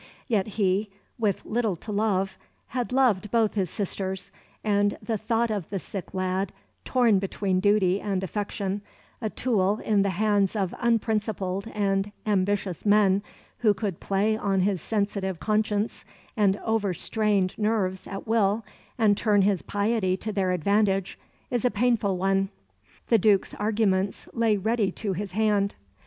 Yet he, with little to love, had loved both his sisters, and the thought of the sick lad, torn between duty and affection, a tool in the hands of unprincipled and ambitious men who could play on his sensitive conscience and over strained nerves at will, and turn his piety to their advantage, is a painful one. The Duke's arguments lay ready to his hand.